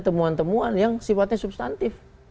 temuan temuan yang sifatnya substantif